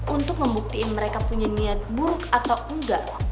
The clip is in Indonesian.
untuk membuktiin mereka punya niat buruk atau enggak